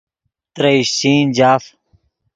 ترے اشچین جاف